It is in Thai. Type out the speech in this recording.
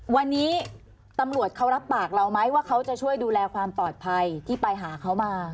วันนี้ตำรวจเขารับปากเราไหมว่าเขาจะช่วยดูแลความปลอดภัยที่ไปหาเขามา